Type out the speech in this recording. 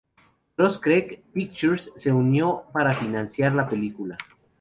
Cross Creek Pictures se unió para financiar la película.